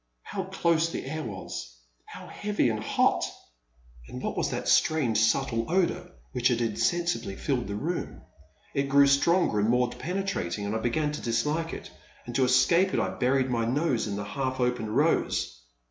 How dose the air was, — ^how heavy and hot ! And what was that strange, subtle odour which had insensibly filled the room ? It grew stronger and more pene trating, and I began to dislike it, and to escape it I buried my nose in the half opened rose.